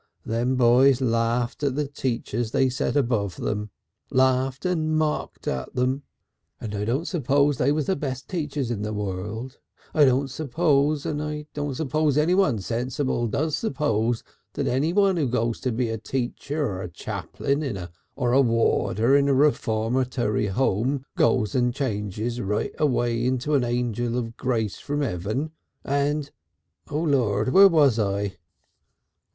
Them boys laughed at the teachers they set over them, laughed and mocked at them and I don't suppose they was the best teachers in the world; I don't suppose, and I don't suppose anyone sensible does suppose that everyone who goes to be a teacher or a chapl'in or a warder in a Reformatory Home goes and changes right away into an Angel of Grace from Heaven and Oh, Lord! where was I?"